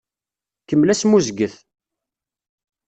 Kemmel asmuzget!